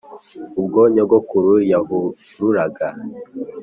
ubwo nyogokuru yahururaga